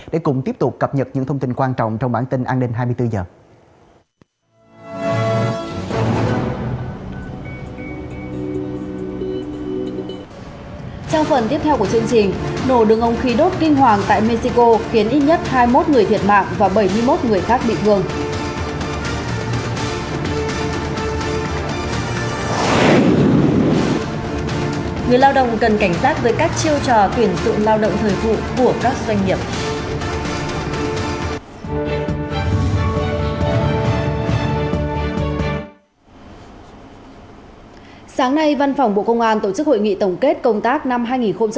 để cùng tiếp tục cập nhật những thông tin quan trọng trong bản tin an ninh hai mươi bốn h